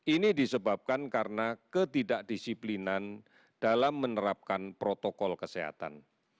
ini disebabkan karena ketidakdisiplinan dalam menerapkan protokol kesehatan